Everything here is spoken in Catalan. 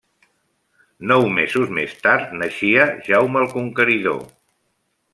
Nou mesos més tard, naixia Jaume el Conqueridor.